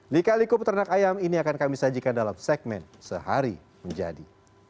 lika liku peternak ayam ini akan kami sajikan dalam segmen sehari menjadi